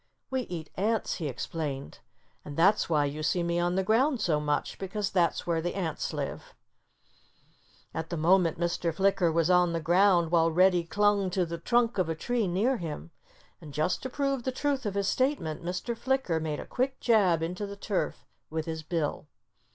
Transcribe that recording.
We eat ants," he explained. "And that's why you see me on the ground so much, because that's where the ants live." At the moment Mr. Flicker was on the ground, while Reddy clung to the trunk of a tree near him. And just to prove the truth of his statement Mr. Flicker made a quick jab into the turf with his bill.